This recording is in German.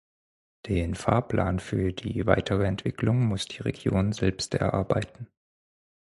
Den Fahrplan für die weitere Entwicklung muss die Region selbst erarbeiten.